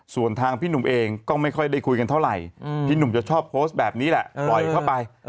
ส่วนทางพี่หนุ่มเองก็ไม่ค่อยได้คุยกันเท่าไหร่พี่หนุ่มจะชอบโพสต์แบบนี้แหละปล่อยเข้าไป